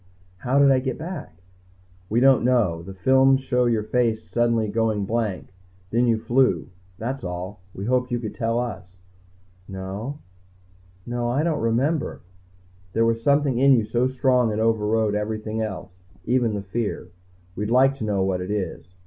"How did I get back?" "We don't know. The films show your face suddenly going blank. Then you flew. That's all. We hoped you could tell us." "No. No I don't remember " "There was something in you so strong it overrode everything else, even the fear. We'd like to know what it is.